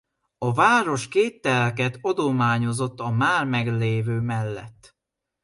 A város két telket adományozott a már meglévő mellett.